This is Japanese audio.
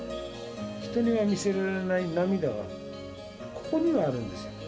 人には見せられない涙が、ここにはあるんです。